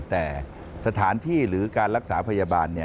แต่สถานที่หรือการรักษาพยาบาล